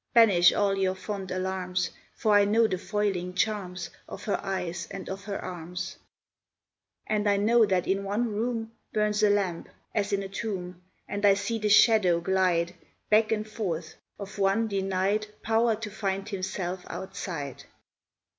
Banish all your fond alarms, For I know the foiling charms Of her eyes and of her arms, And I know that in one room Burns a lamp as in a tomb; And I see the shadow glide, Back and forth, of one denied Power to find himself outside.